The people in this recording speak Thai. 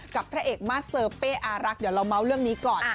พระเอกมาสเซอร์เป้อารักษ์เดี๋ยวเราเมาส์เรื่องนี้ก่อน